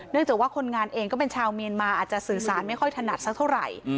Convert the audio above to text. จากว่าคนงานเองก็เป็นชาวเมียนมาอาจจะสื่อสารไม่ค่อยถนัดสักเท่าไหร่